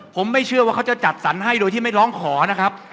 ผมไม่เชื่อว่าเขาจะจัดสรรให้โดยที่ไม่ร้องขอนะครับ